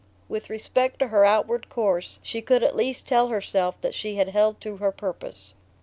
With respect to her outward course she could at least tell herself that she had held to her purpose.